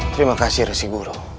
terima kasih resi guru